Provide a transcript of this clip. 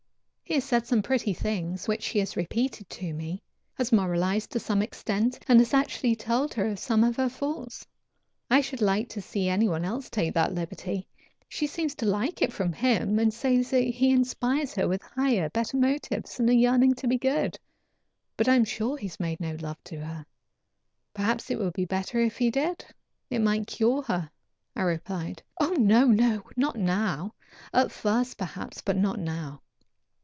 He has said some pretty things, which she has repeated to me; has moralized to some extent, and has actually told her of some of her faults. I should like to see anyone else take that liberty. She seems to like it from him, and says he inspires her with higher, better motives and a yearning to be good; but I am sure he has made no love to her." "Perhaps it would be better if he did. It might cure her," I replied. "Oh! no! no! not now; at first, perhaps, but not now.